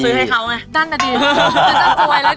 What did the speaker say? เธอซื้อให้เขาไงนั่นก็ดีจะสวยแล้วเนี่ย